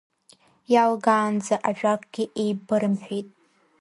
Иалгаанӡа ажәакгьы еибырымҳәеит.